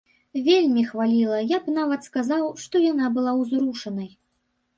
Вельмі хваліла, я б нават сказаў, што яна была ўзрушанай.